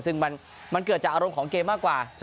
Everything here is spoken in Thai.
ซึ่งมันเกิดจากอารมณ์ของเกมมากกว่า